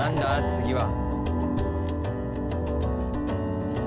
次は」